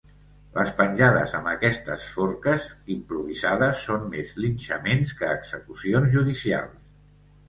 Les penjades amb aquestes forques improvisades són més linxaments que execucions judicials.